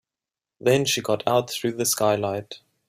Then she got out through the skylight.